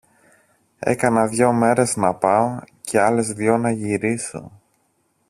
Έκανα δυο μέρες να πάω, και άλλες δυο να γυρίσω.